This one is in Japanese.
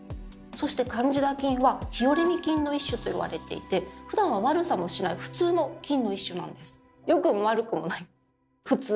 そしてカンジダ菌は日和見菌の一種といわれていてふだんは悪さもしない普通の菌の一種なんです。